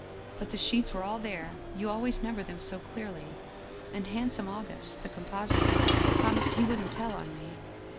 But the sheets were all there, you always number them so clearly, and ' hand some August/ the compositor, promised he wouldn't tell on me.